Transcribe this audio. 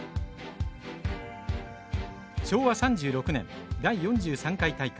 昭和３６年第４３回大会。